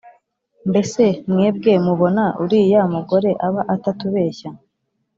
mbese mwebwe mubona uriya mugore aba atatubeshya